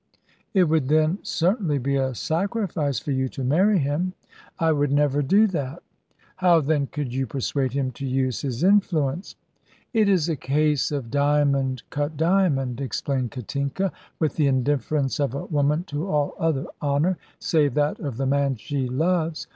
"It would, then, certainly be a sacrifice for you to marry him." "I would never do that." "How, then, could you persuade him to use his influence?" "It is a case of diamond cut diamond," explained Katinka, with the indifference of a woman to all other honour, save that of the man she loves.